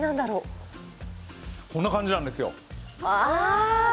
こんな感じなんですよ。